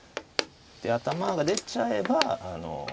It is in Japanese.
頭が出ちゃえば。